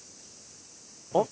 あっ。